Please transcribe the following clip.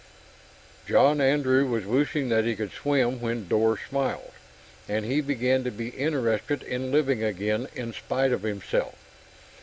John Andrew was wishing that he could swim when Dor smiled, and he began to be interested in living again in spite of himself.